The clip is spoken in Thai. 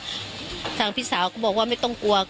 เป็นวันที่๑๕ธนวาคมแต่คุณผู้ชมค่ะกลายเป็นวันที่๑๕ธนวาคม